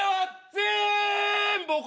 ぜんぶ。